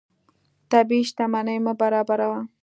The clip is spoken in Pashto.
طبیعي شتمنۍ مه بربادوه.